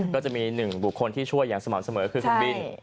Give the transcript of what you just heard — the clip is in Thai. ก็จะมีหนึ่งบุคคลที่ช่วยอย่างสม่ำเสมอคือคุณบิน